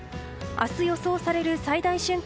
明日予想される最大瞬間